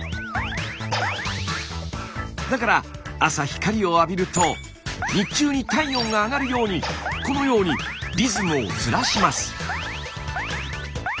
だから朝光を浴びると日中に体温が上がるようにこのようにリズムをずらします。